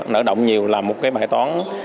nợ động nhiều là một cái bài toán